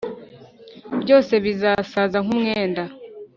byose bizasaza nk umwenda